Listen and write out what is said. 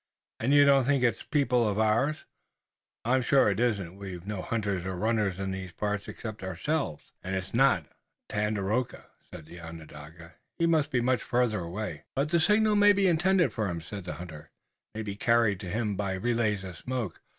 "And you don't think it's people of ours?" "I'm sure it isn't. We've no hunters or runners in these parts, except ourselves." "And it's not Tandakora," said the Onondaga. "He must be much farther away." "But the signal may be intended for him," said the hunter. "It may be carried to him by relays of smoke.